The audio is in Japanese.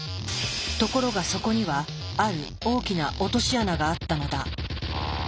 ところがそこにはある大きな落とし穴があったのだ。